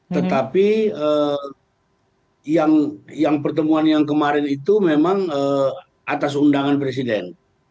tetapi yang pertemuan yang kemarin itu memang atas undangan presiden